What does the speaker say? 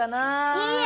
いいよ！